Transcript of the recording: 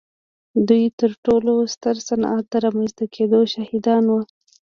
دوی د تر ټولو ستر صنعت د رامنځته کېدو شاهدان وو.